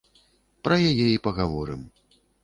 Пра яе і пагаворым.